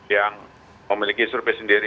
yang memiliki survei sendiri